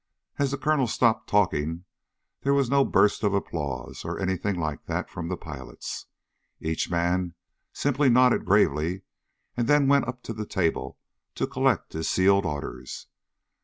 As the colonel stopped talking there was no burst of applause, or anything like that, from the pilots. Each man simply nodded gravely and then went up to the table to collect his sealed orders.